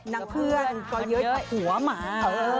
นางเพื่อนก็เย้ยเอาหัวมา